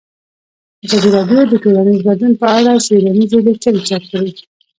ازادي راډیو د ټولنیز بدلون په اړه څېړنیزې لیکنې چاپ کړي.